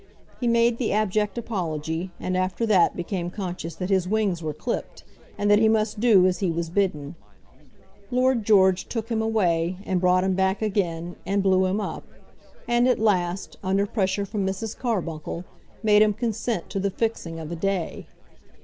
He made the abject apology, and after that became conscious that his wings were clipped, and that he must do as he was bidden. Lord George took him away, and brought him back again, and blew him up; and at last, under pressure from Mrs. Carbuncle, made him consent to the fixing of a day.